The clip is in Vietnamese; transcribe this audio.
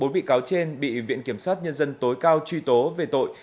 bốn bị cáo trên bị viện kiểm sát nhân dân tối cao truy tố về tội